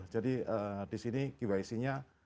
jadi di sini qic nya